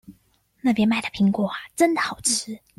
那邊賣的蘋果真的好吃